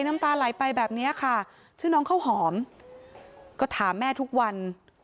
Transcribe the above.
น้ำตาไหลไปแบบนี้ค่ะชื่อน้องข้าวหอมก็ถามแม่ทุกวัน